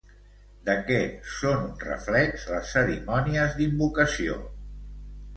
De què són un reflex les cerimònies d'invocació?